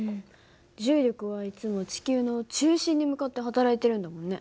重力はいつも地球の中心に向かって働いてるんだもんね。